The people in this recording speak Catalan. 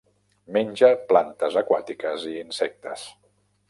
Menja plantes aquàtiques i insectes.